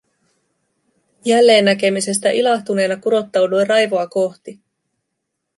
Jälleennäkemisestä ilahtuneena kurottauduin Raivoa kohti: